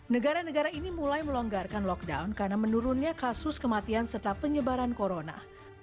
negara negara ini mulai melonggarkan lockdown karena menurunnya kasus kematian serta penyebaran corona